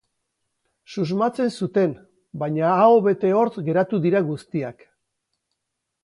Susmatzen zuten, baina aho bete hortz geratu dira guztiak.